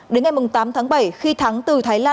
đến ngày tám tháng bảy khi thắng từ thái lan